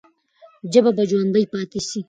ژبه به ژوندۍ پاتې سي.